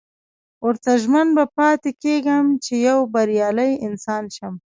ورته ژمن به پاتې کېږم چې يو بريالی انسان شم.